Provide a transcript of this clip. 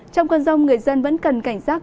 trong con rông người dân vẫn cần cảnh giác